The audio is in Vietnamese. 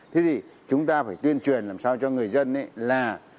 thế thì chúng ta phải tuyên truyền làm sao cho người dân là